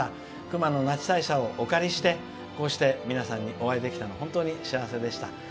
熊野那智大社をお借りして皆さんにお会いできたのは本当に幸せでした。